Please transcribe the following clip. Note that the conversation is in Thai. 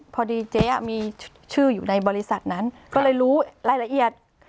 พอดีเจ๊มีชื่ออยู่ในบริษัทนั้นก็เลยรู้รายละเอียด